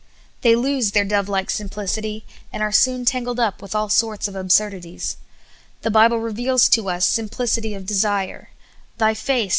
They lose their dove like simplicity, and are soon tangled up with all sorts of absurdities. The Bible reveals to us simplicity of desire —" Thj' face.